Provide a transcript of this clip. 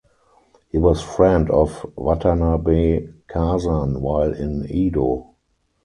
He was friend of Watanabe Kazan while in Edo.